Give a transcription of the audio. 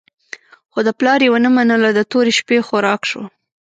خو د پلار یې ونه منله، د تورې شپې خوراک شو.